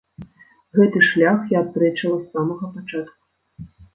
Гэты шлях я адпрэчыла з самага пачатку.